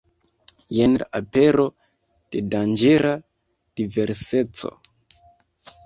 Jen la apero de danĝera diverseco.